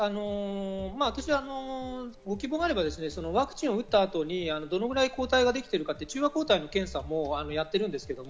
私はご希望があれば、ワクチンを打った後にどのくらい抗体ができているか、中和抗体の検査をやっています。